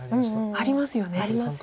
ありますよね。